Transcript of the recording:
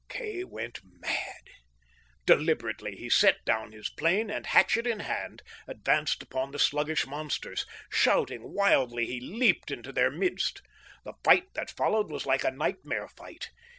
Kay went mad. Deliberately he set down his plane, and, hatchet in hand, advanced upon the sluggish monsters. Shouting wildly, he leaped into their midst. The fight that followed was like a nightmare fight.